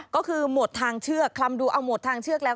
ก็คือหมดทางเชือกคลำดูเอาหมดทางเชือกแล้ว